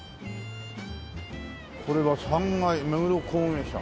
これは３階「目黒工芸社」。